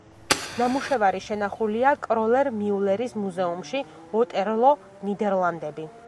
ნამუშევარი შენახულია კროლერ-მიულერის მუზეუმში, ოტერლო, ნიდერლანდები.